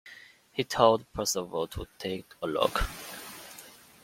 He told Percival to take a look.